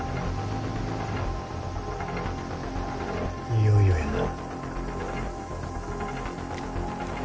いよいよやな。